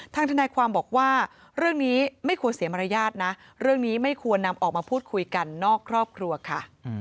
ทนายความบอกว่าเรื่องนี้ไม่ควรเสียมารยาทนะเรื่องนี้ไม่ควรนำออกมาพูดคุยกันนอกครอบครัวค่ะ